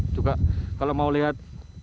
juga kalau mau lihat